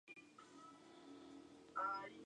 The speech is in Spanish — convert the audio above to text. Paz y la Av.